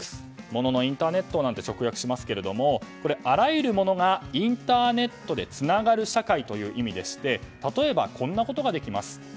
もののインターネットなんて直訳しますがあらゆるものがインターネットでつながる社会という意味でして例えば、こんなことができます。